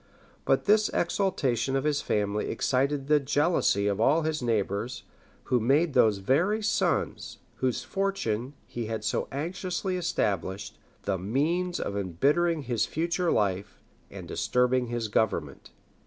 But this exaltation of his family excited the jealousy of all his neighbors, who made those very sons, whose fortunes he had so anxiously established, the means of imbittering his future life, and disturbing his government.